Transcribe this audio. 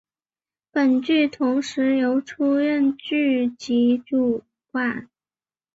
本剧同时由出任剧集主管。